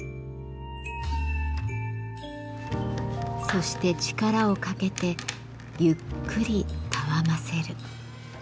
そして力をかけてゆっくりたわませる。